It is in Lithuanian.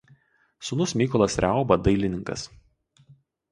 Sūnus Mykolas Riauba dailininkas.